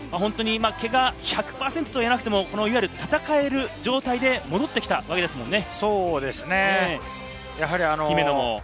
１００％とはいえなくても戦える状態で戻ってきたわけですものね。